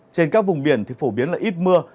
trên các vùng biển thì phổ biến là ít mưa